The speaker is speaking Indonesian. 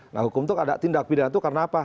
nah hukum itu ada tindak pidana itu karena apa